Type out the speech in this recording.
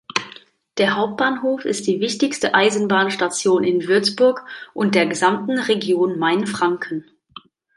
Der Hauptbahnhof ist die wichtigste Eisenbahnstation in Würzburg und der gesamten Region Mainfranken.